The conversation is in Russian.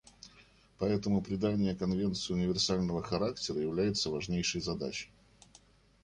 Поэтому придание Конвенции универсального характера является важнейшей задачей.